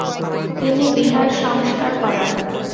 তিনি বিহার সংস্কার করান।